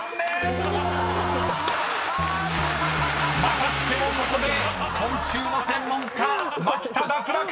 ［またしてもここで昆虫の専門家牧田脱落！］